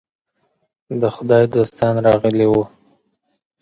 د خدای دوستان راغلي وو.